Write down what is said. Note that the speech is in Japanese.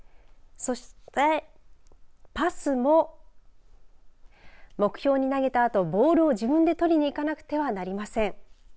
そして、パスも目標に投げたあとボールを自分で取りに行かなくてはなりません。